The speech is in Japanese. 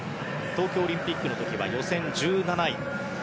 東京オリンピックの時は予選１７位。